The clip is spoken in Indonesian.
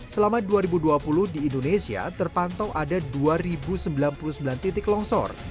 selama dua ribu dua puluh di indonesia terpantau ada dua sembilan puluh sembilan titik longsor